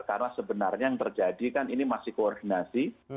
karena sebenarnya yang terjadi kan ini masih koordinasi